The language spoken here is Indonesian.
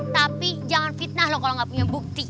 tapi jangan fitnah loh kalo gak punya bukti